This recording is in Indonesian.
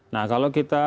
nah kalau kita